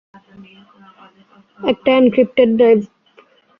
একটা encrypted drive.